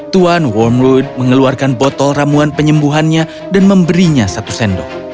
tuan wormwood mengeluarkan botol ramuan penyembuhannya dan memberinya satu sendok